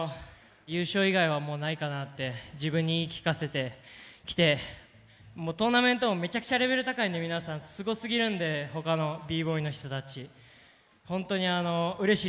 優勝以外はもうないかなって自分に言い聞かせてきてトーナメントもめちゃくちゃレベル高いんで皆さんすごすぎるんでほかのＢＢＯＹの人たち本当にうれしいです。